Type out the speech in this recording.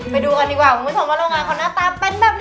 ไปดูกันดีกว่ามัวเว้นท์ส่งมาโรงงานคนน่าตาเป็นแบบไหน